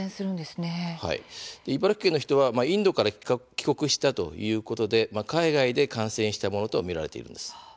茨城県の人はインドから帰国したということで海外で感染したものと見られています。